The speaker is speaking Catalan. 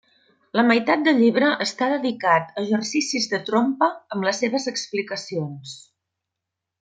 La meitat del llibre està dedicat a exercicis de trompa amb les seves explicacions.